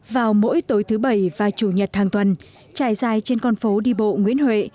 vào mỗi tối thứ bảy và chủ nhật hàng tuần trải dài trên con phố đi bộ nguyễn huệ